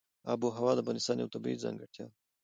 آب وهوا د افغانستان یوه طبیعي ځانګړتیا ده.